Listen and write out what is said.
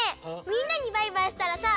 みんなにバイバイしたらさ